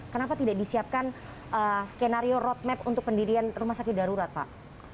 kenapa tidak disiapkan skenario roadmap untuk pendirian rumah sakit darurat pak